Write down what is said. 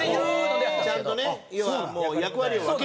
ちゃんとね要はもう役割を分ける。